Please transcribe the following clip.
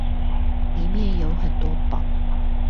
裡面有很多寶